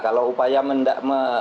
kalau upaya mendapatkan kekuasaan